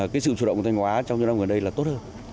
cái sự chủ động của thanh hóa trong những năm gần đây là tốt hơn